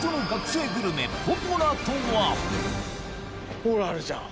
ほらあるじゃん！